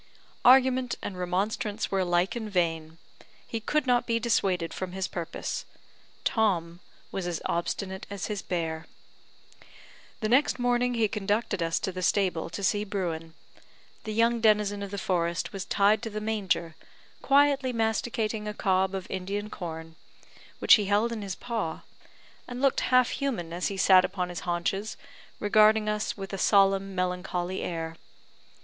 Argument and remonstrance were alike in vain, he could not be dissuaded from his purpose. Tom was as obstinate as his bear. The next morning he conducted us to the stable to see Bruin. The young denizen of the forest was tied to the manger, quietly masticating a cob of Indian corn, which he held in his paw, and looked half human as he sat upon his haunches, regarding us with a solemn, melancholy air.